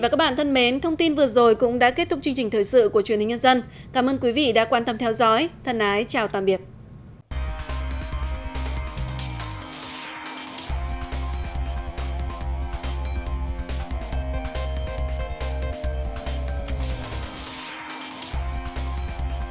cảm ơn các bạn đã theo dõi và hẹn gặp lại